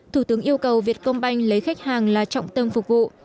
thủ tướng yêu cầu việt công banh lấy khách hàng là trọng tâm phục vụ